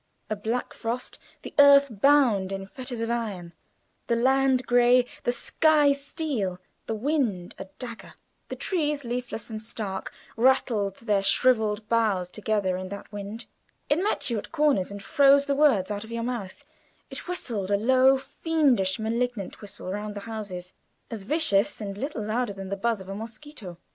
A black frost. The earth bound in fetters of iron. The land gray; the sky steel; the wind a dagger. The trees, leafless and stark, rattled their shriveled boughs together in that wind. It met you at corners and froze the words out of your mouth; it whistled a low, fiendish, malignant whistle round the houses; as vicious and little louder than the buzz of a mosquito.